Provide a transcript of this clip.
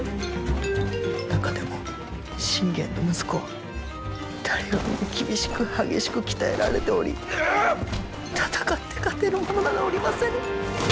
中でも信玄の息子は誰よりも厳しく激しく鍛えられており戦って勝てる者などおりませぬ！